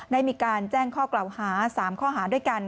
ได้มีการแจ้งข้อกล่าวหา๓ข้อหาด้วยกัน